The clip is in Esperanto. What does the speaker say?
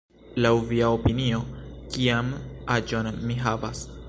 Laŭ via opinio, kian aĝon mi havas?